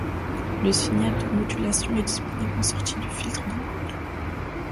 Le signal de modulation est disponible en sortie du filtre de boucle.